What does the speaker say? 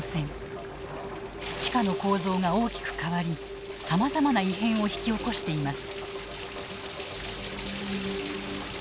地下の構造が大きく変わりさまざまな異変を引き起こしています。